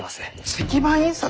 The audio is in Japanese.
石版印刷？